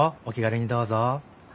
お気軽にどうぞ。